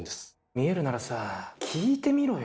見えるならさ聞いてみろよ